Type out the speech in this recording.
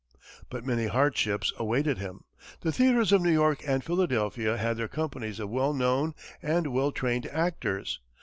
But many hardships awaited him. The theatres of New York and Philadelphia had their companies of well known and well trained actors.